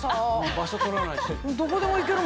場所取らないし。